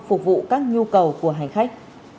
phục vụ các nhu cầu của hành khách